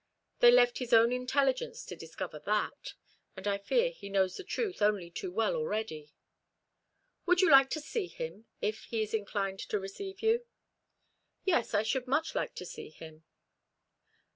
They left his own intelligence to discover that; and I fear he knows the truth only too well already. Would you like to see him, if he is inclined to receive you?" "Yes, I should much like to see him."